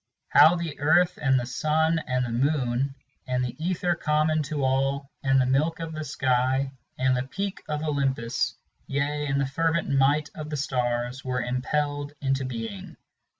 ###" How the earth and the sun, and the moon, and the ether Common to all, and the milk of the sky, and the peak of Olympus, Yea, and the fervent might of the stars, were impelled into being.